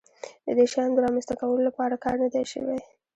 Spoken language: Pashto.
د دې شیانو د رامنځته کولو لپاره کار نه دی شوی.